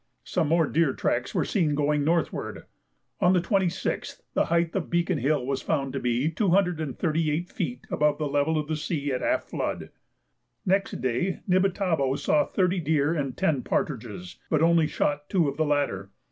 Some more deer tracks were seen going northward. On the 26th the height of Beacon Hill was found to be 238 feet above the level of the sea at half flood. Next day Nibitabo saw thirty deer and ten partridges, but only shot two of the latter.